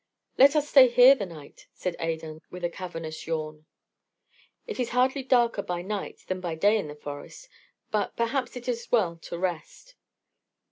"Let us stay here the night," said Adan, with a cavernous yawn. "It is hardly darker by night than by day in the forest, but perhaps it is well to rest."